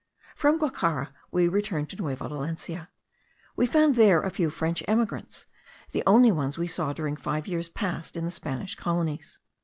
From Guacara we returned to Nueva Valencia. We found there a few French emigrants, the only ones we saw during five years passed in the Spanish colonies.